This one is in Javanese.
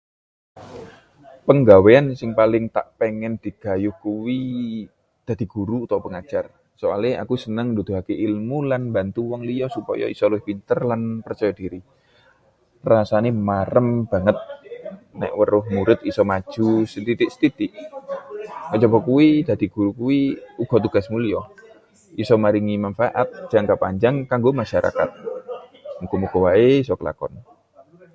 Penggawean sing paling tak pengin digayuh kuwi dadi guru utawa pengajar. Soale aku seneng nuduhake ilmu lan mbantu wong liya supaya iso luwih pinter lan percaya diri. Rasane marem banget nek weruh murid iso maju sethithik-sethithik. Kajaba kuwi, dadi guru kuwi uga tugas mulya, iso maringi manfaat jangka panjang kanggo masyarakat. Muga-muga wae iso kelakon.